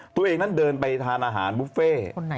ตัวเองนั้นเดินไปทานอาหารบุฟเฟ่